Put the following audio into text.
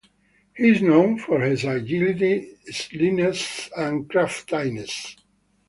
He is known for his agility, slyness, and craftiness.